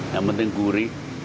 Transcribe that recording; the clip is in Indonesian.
yang penting gurih